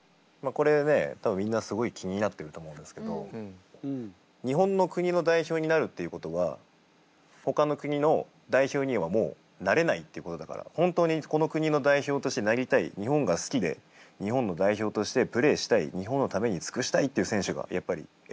これね多分みんなすごい気になってると思うんですけど日本の国の代表になるっていうことはほかの国の代表にはもうなれないってことだから本当にこの国の代表としてなりたい日本が好きで日本の代表としてプレーしたい日本のために尽くしたいっていう選手がやっぱり選ばれているわけ。